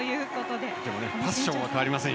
でもパッションは変わりませんよ。